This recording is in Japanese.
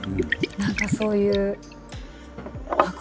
何かそういうあっ